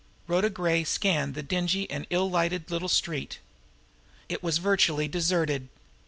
Rhoda Gray scanned the dingy and ill lighted little street. It was virtually deserted.